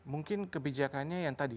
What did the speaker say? mungkin kebijakannya yang tadi